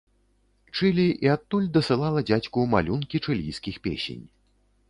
Чылі і адтуль дасылала дзядзьку малюнкі чылійскіх песень.